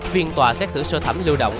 viện tòa xét xử sơ thẩm lưu động